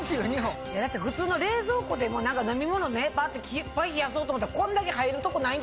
普通の冷蔵庫でも飲み物いっぱい冷やそうと思ったらこんだけ入るとこない。